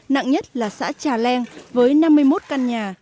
nặng nhất là xã trà leng với năm mươi một căn nhà